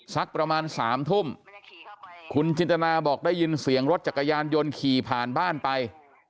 สักประมาณ๓ทุ่มคุณจินตนาบอกได้ยินเสียงรถจักรยานยนต์ขี่ผ่านบ้านไป